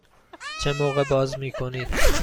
چه موقع باز می کنید؟